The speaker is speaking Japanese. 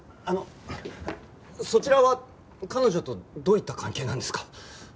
あのそちらは彼女とどういった関係なんですか？